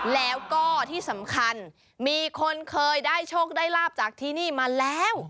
แล้วก็ที่สำคัญมีคนเคยได้โชคได้ลาบจากที่นี่มาแล้ว